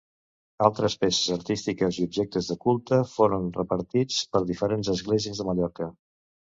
Altres peces artístiques i objectes de culte foren repartits per diferents esglésies de Mallorca.